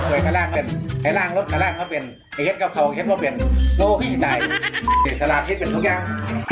ว่าเป็นโลกอีไตสลาดคิดเป็นทุกอย่าง